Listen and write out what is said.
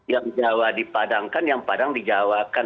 yang jawa dipadangkan yang padang dijawakan